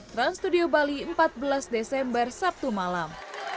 trans studio bali empat belas desember sabtu malam